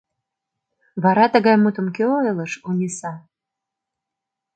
Вара тыгай мутым кӧ ойлыш, Ониса?